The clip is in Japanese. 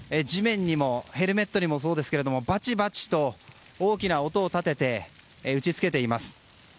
ヘルメットにもそうですが地面にもバチバチと大きな音を立てて打ちつけています。